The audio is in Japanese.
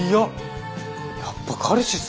やっぱ彼氏っすかね。